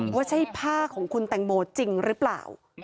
ว่าใช่ผ้าของคุณแตงโมจริงหรือเปล่า